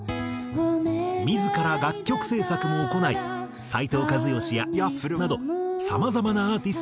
自ら楽曲制作も行い斉藤和義やＹａｆｆｌｅなどさまざまなアーティストともコラボ。